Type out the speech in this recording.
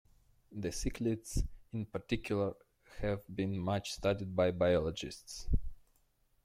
The cichlids in particular have been much studied by biologists.